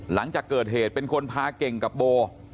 หลังจากเกิดเหตุเป็นคนพาเก่งกับโบ